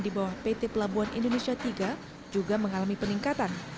di bawah pt pelabuhan indonesia tiga juga mengalami peningkatan